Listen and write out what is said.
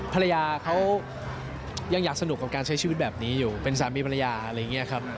ภรรยาเขายังอยากสนุกกับการใช้ชีวิตแบบนี้อยู่เป็นสามีภรรยาอะไรอย่างนี้ครับ